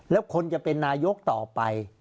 แล้วคนจะเป็นนายกต่อไป